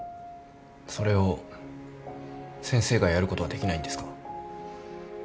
それを先生がやることはできないんですか？